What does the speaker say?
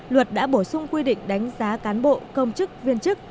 luật đã bổ sung quy định đánh giá cán bộ công chức viên chức